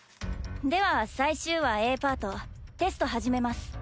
では最終話Ａパートテスト始めます。